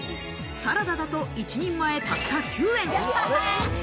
サラダだと、一人前たった９円。